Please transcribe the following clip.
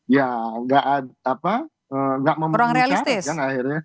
ya nggak ada apa nggak memenuhi syarat kan akhirnya